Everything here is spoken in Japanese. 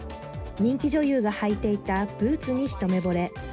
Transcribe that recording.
人気女優が履いていたブーツに一目ぼれ。